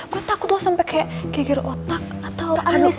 gue takut lo sampe kayak kegir otak atau anumisnya kayak